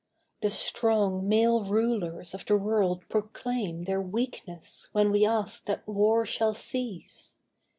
The strong male rulers of the world proclaim Their weakness, when we ask that war shall cease.